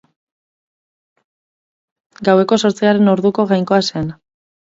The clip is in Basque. Gaueko zortzigarren orduko jainkoa zen.